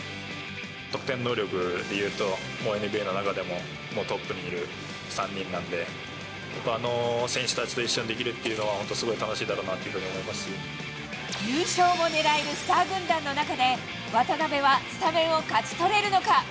得点能力でいうと、ＮＢＡの中でももうトップにいる３人なんで、あの選手たちと一緒にできるっていうのは、本当すごい楽しいだろ優勝も狙えるスター軍団の中で、渡邊はスタメンを勝ち取れるのか。